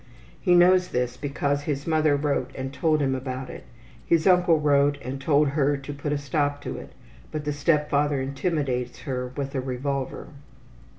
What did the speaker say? He knows this because his mother wrote and told him about it. His uncle wrote and told her to put a stop to it, but the step father intimidates her with a revolver.